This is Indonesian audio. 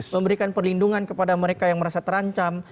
memberikan perlindungan kepada mereka yang merasa terancam